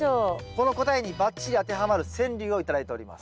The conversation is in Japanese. この答えにバッチリ当てはまる川柳を頂いております。